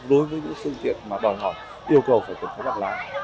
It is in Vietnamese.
đối với những phương tiện mà đòi họ yêu cầu phải tập hợp